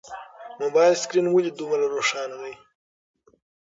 د موبایل سکرین ولې دومره روښانه دی؟